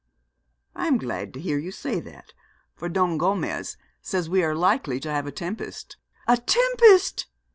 'I am glad to hear you say that, for Don Gomez says we are likely to have a tempest.' 'A tempest!'